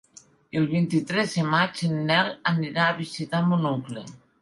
El vint-i-tres de maig en Nel anirà a visitar mon oncle.